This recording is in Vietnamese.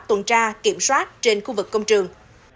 tuần tra kiểm soát trên khu vực công trường